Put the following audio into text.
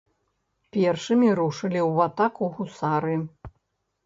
Першымі рушылі ў атаку гусары.